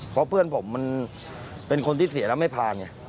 เพราะเพื่อนผมเป็นคนที่เสียแล้วไม่พา